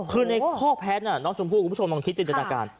คือในคอกแพ้น่ะน้องสมผู้คุณผู้ชมต้องคิดในทางการ